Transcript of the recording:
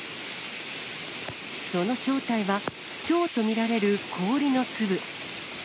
その正体はひょうと見られる氷の粒。